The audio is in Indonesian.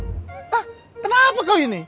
hah kenapa kau ini